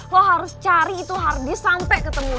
lo harus cari itu hardis sampai ketemu